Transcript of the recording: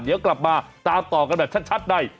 เดี๋ยวกลับมาตามต่อกันแบบชัดใน